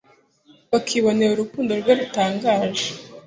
bakibonera urukundo rwe rutangaje,